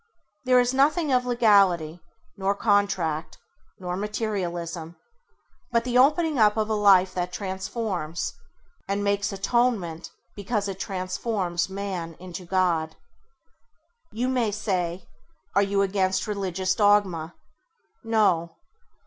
There is nothing of legality, nor contract, nor materialism, but the opening up of a life that transforms, and makes atonement because it transforms man into God. You may say: Are you against religious dogma ? No.